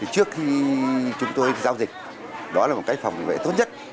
trước khi chúng tôi giao dịch đó là một cách phòng vệ tốt nhất